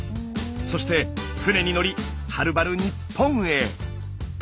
そして船に載りはるばる日本へ。